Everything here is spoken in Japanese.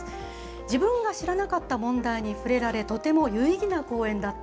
自分が知らなかった問題に触れられ、とても有意義な講演だった。